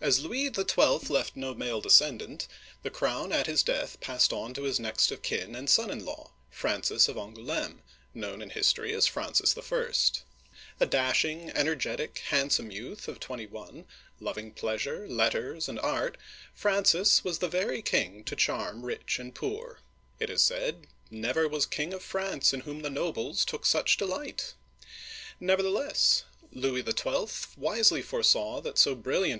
AS Louis XIL left no male descendant, the crown at his death passed on to his next of kin and son in law, Francis of Angouleme, known in history as Francis L A dashing, energetic, handsome youth of twenty one, lov ing pleasure, letters, and art, Francis was the very king to charm rich and poor. It is said, " Never was king of France in whom the nobles took such delight !*' Never theless, Louis XIL wisely foresaw that so brilliant